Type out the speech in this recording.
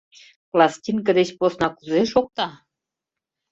— Пластинке деч посна кузе шокта?